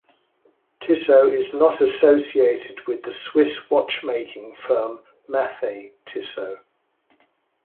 Tissot is not associated with the Swiss watchmaking firm, Mathey-Tissot.